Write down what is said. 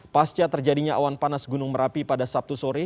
pasca terjadinya awan panas gunung merapi pada sabtu sore